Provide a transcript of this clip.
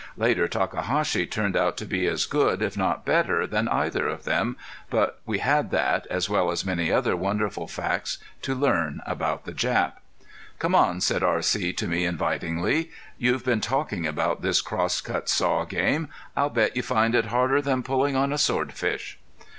Later Takahashi turned out to be as good, if not better, than either of them, but we had that, as well as many other wonderful facts, to learn about the Jap. "Come on," said R.C. to me, invitingly. "You've been talking about this crosscut saw game. I'll bet you find it harder than pulling on a swordfish."